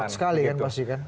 sekali kan pasti kan